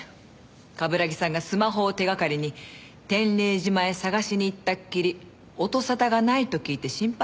冠城さんがスマホを手掛かりに天礼島へ捜しに行ったっきり音沙汰がないと聞いて心配していたんですよ。